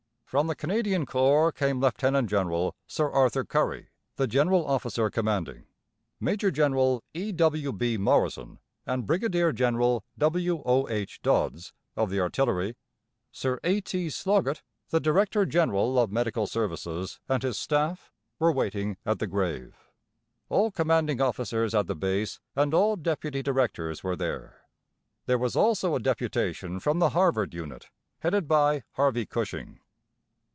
From the Canadian Corps came Lieut. General Sir Arthur Currie, the General Officer Commanding; Major General E. W. B. Morrison, and Brigadier General W. O. H. Dodds, of the Artillery. Sir A. T. Sloggett, the Director General of Medical Services, and his Staff were waiting at the grave. All Commanding Officers at the Base, and all Deputy Directors were there. There was also a deputation from the Harvard Unit headed by Harvey Cushing.